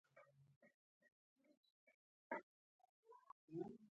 د غره په لمن کې به یې پادې او ګورم پالل او روزل.